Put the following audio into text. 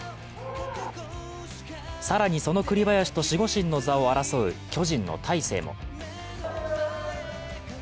更に、その栗林と守護神の座を争う巨人の大勢も。